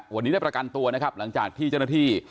วันนี้ได้ประกันตัวนะครับหลังจากที่เจ้าหน้าที่